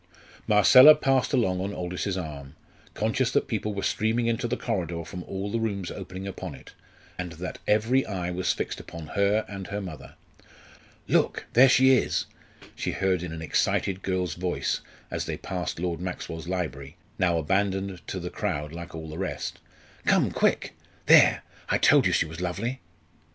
Marcella passed along on Aldous's arm, conscious that people were streaming into the corridor from all the rooms opening upon it, and that every eye was fixed upon her and her mother. "Look, there she is," she heard in an excited girl's voice as they passed Lord Maxwell's library, now abandoned to the crowd like all the rest. "Come, quick! There I told you she was lovely!"